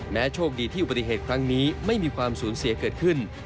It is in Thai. โชคดีที่อุบัติเหตุครั้งนี้ไม่มีความสูญเสียเกิดขึ้น